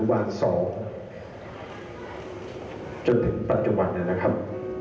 จนถึงปัจจุบันนั้นนะครับ